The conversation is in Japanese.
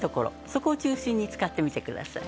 そこを中心に使ってみてください。